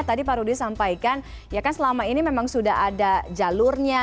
tadi pak rudi sampaikan ya kan selama ini memang sudah ada jalurnya